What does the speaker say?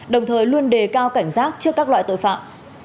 đồng thời luôn đề cao cảnh giác trước các loại tội phạm